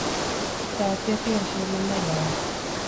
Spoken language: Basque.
Grabazioekin hasi omen da jada.